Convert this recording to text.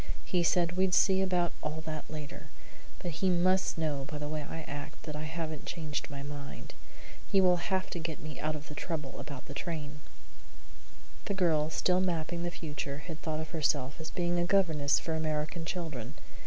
"He said we'd see about all that later, but he must know by the way I act that I haven't changed my mind. He will have to get me out of the trouble about the train." The girl, in mapping the future, had thought of herself as being a governess for American children.